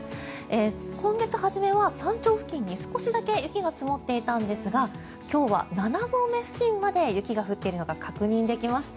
今月初めは山頂付近に少しだけ雪が積もっていたんですが今日は７合目付近まで雪が降っているのが確認できました。